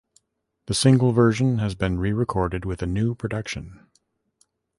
The single version has been re-recorded with a new production.